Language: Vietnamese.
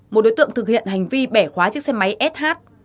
một đối tượng thực hiện hành vi bẻ khóa chiếc xe máy sh